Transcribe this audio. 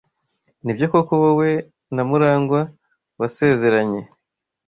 Nibyo koko wowe na Murangwa wasezeranye?